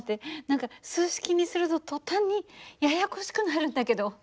何か数式にすると途端にややこしくなるんだけど。